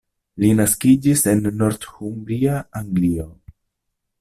Li naskiĝis en Northumbria, Anglio.